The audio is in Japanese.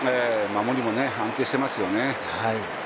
守りも安定していますよね。